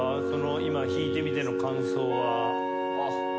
今弾いてみての感想は。